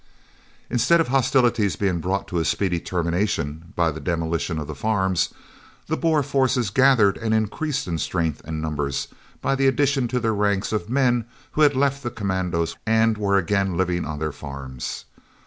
Instead of hostilities being brought to a speedy termination by the demolition of the farms, the Boer forces gathered and increased in strength and numbers by the addition to their ranks of men who had left the commandos and were again living on their farms.